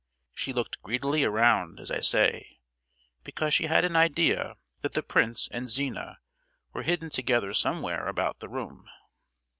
She looked greedily around, as I say, because she had an idea that the prince and Zina were hidden together somewhere about the room.